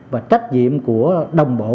và trách nhiệm của đồng bộ